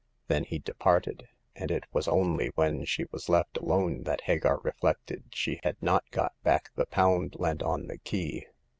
Then he departed, and it was only when she was left alone that Hagar reflected she had not got back the pound lent on the key.